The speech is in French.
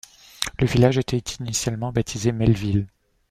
Le village était initialement baptisé Melville.